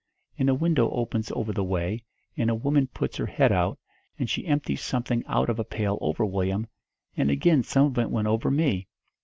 And a window opens over the way, and a woman puts her head out, and she empties something out of a pail over Willyum, and again some of it went over me.